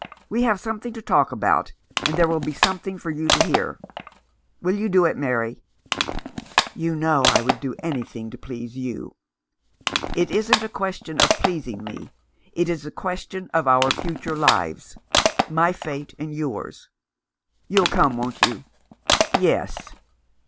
We have something to talk about — and there will be something for you to hear. Will you do it, Mary ?"" You know I would do anything to please you." "It isn't a question of pleasing me; it is a question of our future lives — my fate and yours. You'll come, won't you ?"" Yes."